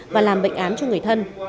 và làm bệnh án cho người thân